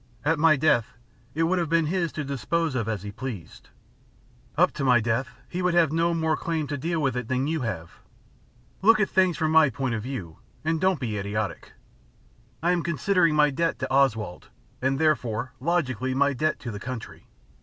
"At my death, it would have been his to dispose of as he pleased. Up to my death, he would have had no more claim to deal with it than you have. Look at things from my point of view, and don't be idiotic. I am considering my debt to Oswald, and therefore, logically, my debt to the country.